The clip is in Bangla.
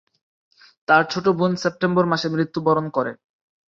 তার ছোট বোন সেপ্টেম্বর মাসে মৃত্যুবরণ করে।